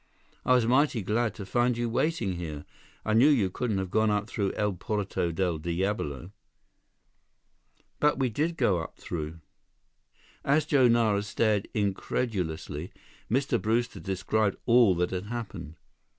I was mighty glad to find you waiting here. I knew you couldn't have gone up through El Porto Del Diablo." "But we did go up through." As Joe Nara stared incredulously, Mr. Brewster described all that had happened.